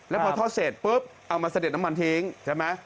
แล้วพอทอดเสร็จปุ๊บเอามาเสด็จน้ำมันทิ้งใช่ไหม